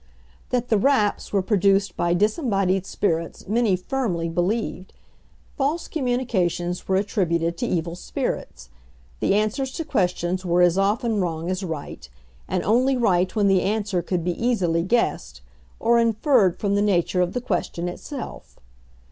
That the "raps" were produced by disembodied spirits many firmly believed. False communications were attributed to evil spirits. The answers to questions were as often wrong as right; and only right when the answer could be easily guessed, or inferred from the nature of the question itself.